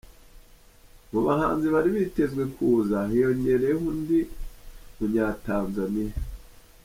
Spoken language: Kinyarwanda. Mu bahanzi bari bitezwe kuza hiyongereyeho undi munya Tanzania….